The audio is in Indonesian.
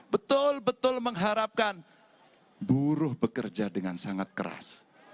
betul betul mengharapkan buruh bekerja dengan sangat keras